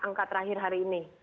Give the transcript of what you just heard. angkat terakhir hari ini